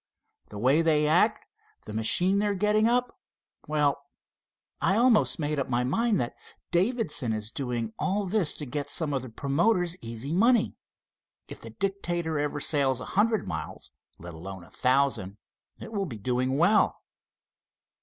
The way they act, the machine they're getting up—well, I almost made up my mind that Davidson is doing all this to get some of the promoter's easy money. If the Dictator ever sails a hundred miles, let alone a thousand, it will be doing well."